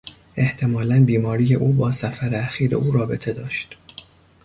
احتمالا بیماری او با سفر اخیر او رابطه داشت.